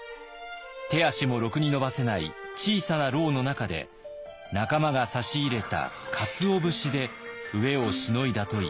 手足もろくに伸ばせない小さな牢の中で仲間が差し入れたかつお節で飢えをしのいだといいます。